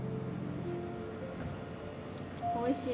おいしい。